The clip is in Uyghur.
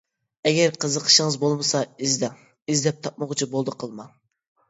ئەگەر قىزىقىشىڭىز بولمىسا، ئىزدەڭ، ئىزدەپ تاپمىغۇچە بولدى قىلماڭ.